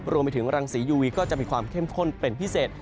รวมไปถึงรังสียูวีก็จะมีความเข้มข้นเป็นพิเศษ